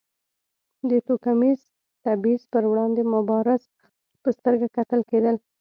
د توکمیز تبیض پر وړاندې مبارز په سترګه کتل کېدل.